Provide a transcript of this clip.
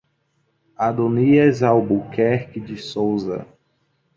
Adonias Albuquerque de Souza